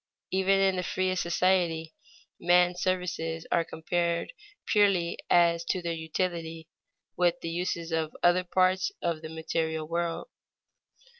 Even in the freest society, man's services are compared purely as to their utility, with the uses of other parts of the material world.